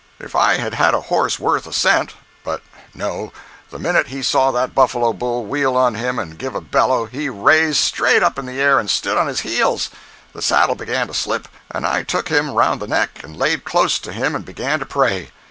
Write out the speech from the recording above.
If I had had a horse worth a cent—but no, the minute he saw that buffalo bull wheel on him and give a bellow, he raised straight up in the air and stood on his heels. The saddle began to slip, and I took him round the neck and laid close to him, and began to pray.